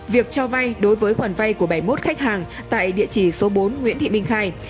việc cho vay đối với khoản vay của bảy mươi một khách hàng tại địa chỉ số bốn nguyễn thị minh khai